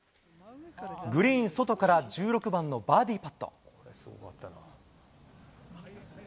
グリーン外から１６番のバーディーパット。